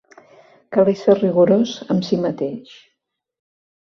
Cal ésser rigorós amb si mateix.